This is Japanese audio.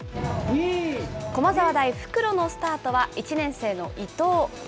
駒沢大、復路のスタートは１年生の伊藤。